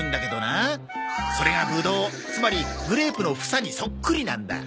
それがブドウつまりグレープの房にそっくりなんだ。